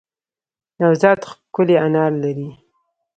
نوزاد ښکلی انار لری